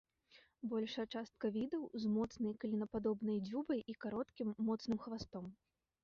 Большая частка відаў з моцнай, клінападобнай дзюбай і кароткім, моцным хвастом.